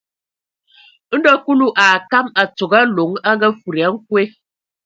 Ndo Kulu a akam a tsogo Aloŋ a ngafudi a nkwe.